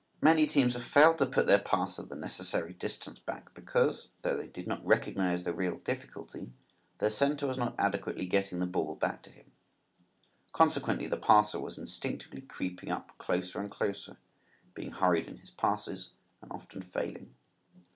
Many teams have failed to put their passer the necessary distance back because, though they did not recognize the real difficulty, their center was not adequately getting the ball back to him. Consequently the passer was instinctively creeping up closer and closer, being hurried in his passes and often failing.